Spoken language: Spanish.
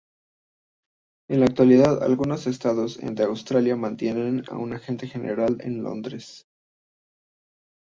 En la actualidad, algunos estados de Australia mantienen un Agente General en Londres.